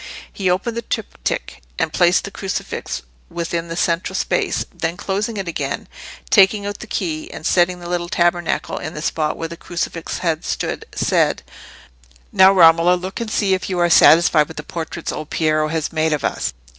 He opened the triptych and placed the crucifix within the central space; then closing it again, taking out the key, and setting the little tabernacle in the spot where the crucifix had stood, said— "Now, Romola, look and see if you are satisfied with the portraits old Piero has made of us.